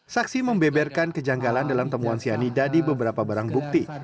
saksi membeberkan kejanggalan dalam temuan cyanida di beberapa barang bukti